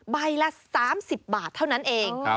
ใบละ๓๐บาทเท่านั้นเอง